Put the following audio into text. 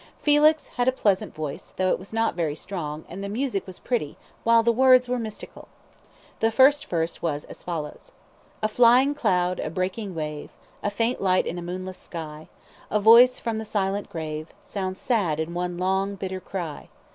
Felix had a pleasant voice, though it was not very strong, and the music was pretty, while the words were mystical. The first verse was as follows: "A flying cloud, a breaking wave, A faint light in a moonless sky: A voice that from the silent grave Sounds sad in one long bitter cry.